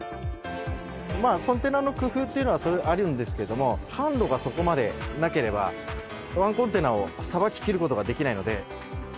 コンテナの工夫ってのは、それはあるんですけれども、販路がそこまでなければ、１コンテナをさばききることはできないので。